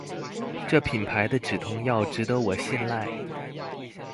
這品牌的止痛藥值得我信賴